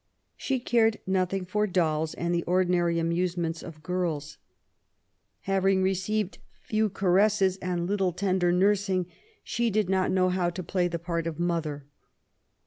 She cared nothing for dolls and the ordinary amusements of girls. Having CHILDHOOD AND EARLY YOUTH. 9 receiTed few careaaes and little tender nursing, she did not know how to play the part of mother.